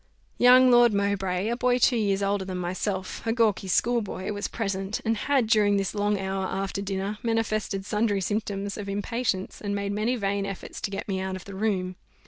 Young Lord Mowbray, a boy two years older than myself, a gawkee schoolboy, was present; and had, during this long hour after dinner, manifested sundry symptoms of impatience, and made many vain efforts to get me out of the room.